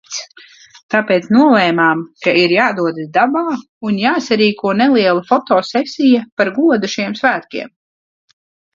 Tāpēc nolēmām, ka ir jādodas dabā un jāsarīko neliela fotosesija, par godu šiem svētkiem.